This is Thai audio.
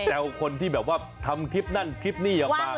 คนที่แบบว่าทำคลิปนั่นคลิปนี้ออกมา